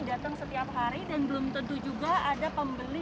datang setiap hari dan belum tentu juga ada pembeli